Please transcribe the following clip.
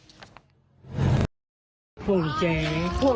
ไม่มีใครคาดคิดไงคะว่าเหตุการณ์มันจะบานปลายรุนแรงแบบนี้